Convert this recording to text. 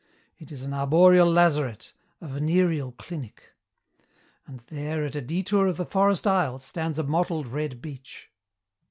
It is an arboreal lazaret, a venereal clinic. "And there, at a detour of the forest aisle, stands a mottled red beech.